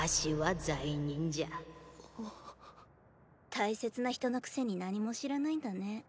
大切な人のくせに何も知らないんだね。